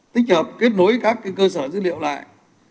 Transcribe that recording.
tích hợp kết nối các cơ sở dữ liệu lại